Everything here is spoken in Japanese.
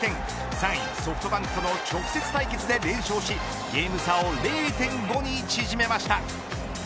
３位ソフトバンクとの直接対決で連勝しゲーム差を０．５に縮めました。